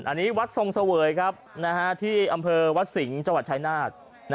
อันนี้วัดทรงเสวยครับที่อำเภอวัดสิงห์จังหวัดชายนาฏ